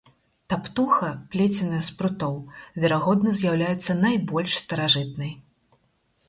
Таптуха, плеценая з прутоў, верагодна, з'яўляецца найбольш старажытнай.